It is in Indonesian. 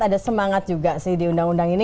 ada semangat juga sih di undang undang ini